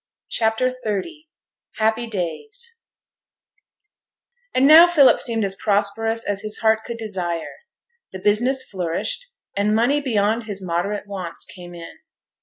CHAPTER XXX HAPPY DAYS And now Philip seemed as prosperous as his heart could desire. The business flourished, and money beyond his moderate wants came in.